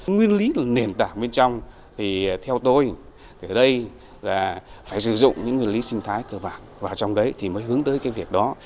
nguyên lý là nền tảng bên trong thì theo tôi ở đây là phải sử dụng những nguyên lý sinh thái cơ bản vào trong đấy thì mới hướng tới cái việc đó